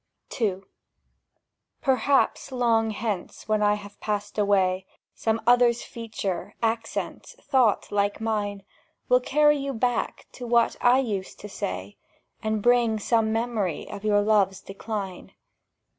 1866. SHE, TO HIM II PERHAPS, long hence, when I have passed away, Some other's feature, accent, thought like mine, Will carry you back to what I used to say, And bring some memory of your love's decline.